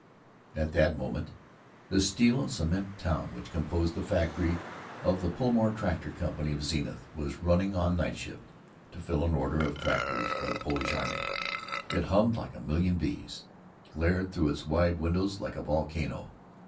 At that moment the steel and cement town which composed the factory of the Pullmore Tractor Company of Zenith was running on night shift to fill an order of tractors for the Polish army. It hummed like a million bees, glared through its wide windows like a volcano.